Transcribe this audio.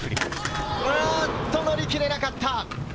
乗り切れなかった。